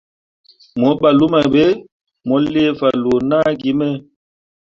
Mo ɓah luma ɓe, mo lii fanloo naa gi me.